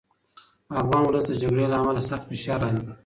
افغان ولس د جګړې له امله سخت فشار لاندې دی.